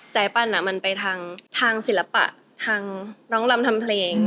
ปั้นมันไปทางศิลปะทางน้องลำทำเพลง